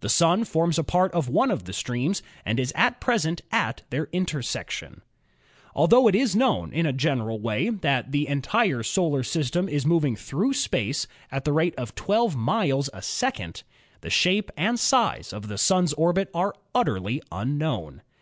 The Sun forms a part of one of the streams and is at present at their intersection. Altho it is known in a general way that the entire solar system is moving through space at the rate of 12 miles a 90 ASTRONOMY second, the shape and size of the Sun's orbit are utterly unknown.